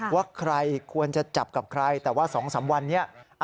ว่าใครควรจะจับกับใครแต่ว่า๒๓วันนี้